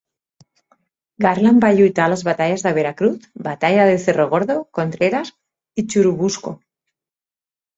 Garland va lluitar a les batalles de Veracruz, Batalla del Cerro Gordo, Contreras i Churubusco.